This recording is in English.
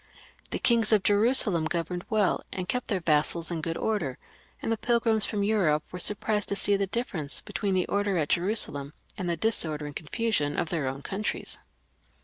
The kings of Jerusalem governed well, and kept their vassals in good order, and the pilgrims fix)m Europe were sur prised to see the difference between the order at Jerusalem and the disorder and confusion of their own countries.